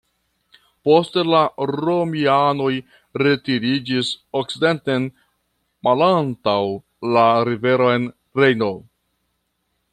Poste la romianoj retiriĝis okcidenten malantaŭ la riveron Rejno.